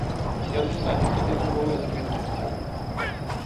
Яны самі сабе набываюць квіткі на цягнік.